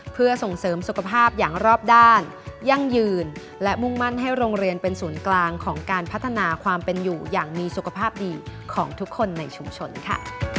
เพื่อส่งเสริมสุขภาพอย่างรอบด้านยั่งยืนและมุ่งมั่นให้โรงเรียนเป็นศูนย์กลางของการพัฒนาความเป็นอยู่อย่างมีสุขภาพดีของทุกคนในชุมชนค่ะ